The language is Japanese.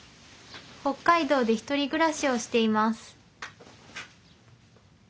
北海道で１人暮らしをしています